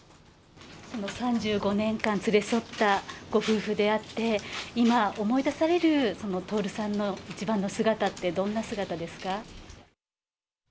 ３５年間連れ添ったご夫婦であって、今、思い出されるその徹さんの一番の姿って、どんな姿ですか。